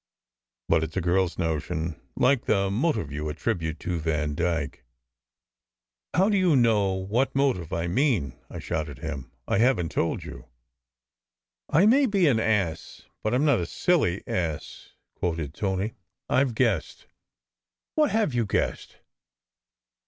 "But it s a girl s notion, like the motive you attribute to Vandyke." "How do you know what motive I mean? " I shot at him. "I haven t told you!" " I may be an ass, but I m not a silly ass, " quoted Tony. "I ve guessed." "What have you guessed?"